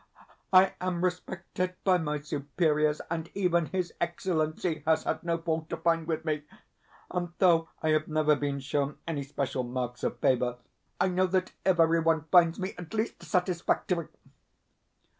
I am respected by my superiors, and even his Excellency has had no fault to find with me; and though I have never been shown any special marks of favour, I know that every one finds me at least satisfactory.